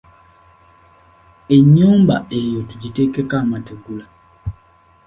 Ennyumba eyo tugiteekeko amategula.